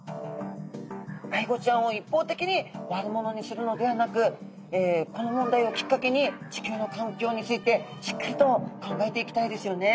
アイゴちゃんを一方的に悪者にするのではなくこの問題をきっかけに地球の環境についてしっかりと考えていきたいですよね。